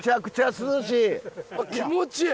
気持ちいい！